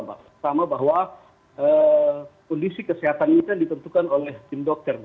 pertama bahwa kondisi kesehatan ini kan ditentukan oleh tim dokter